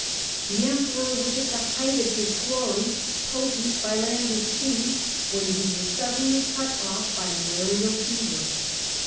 The Emperor was at the height of his glory, " potent by land and sea," when he was suddenly cut off by malarial Death of fevcr.